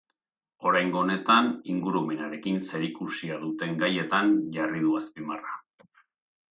Oraingo honetan, ingurumenarekin zerikusia duten gaietan jarri du azpimarra.